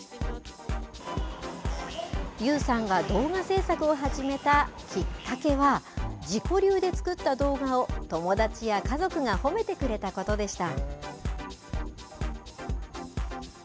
優さんが動画制作を始めたきっかけは、自己流で作った動画を友達や家族が褒めてくれたことでした。